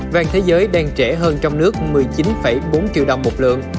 vàng thế giới đang trễ hơn trong nước một mươi chín bốn triệu đồng một lượng